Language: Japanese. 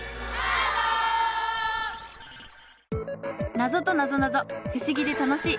ナゾとなぞなぞ不思議で楽しい。